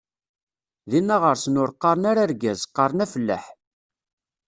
Dinna ɣer-sen ur qqaren ara argaz, qqaren afellaḥ.